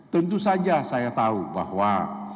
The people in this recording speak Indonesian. tentu saja saya tahu bahwa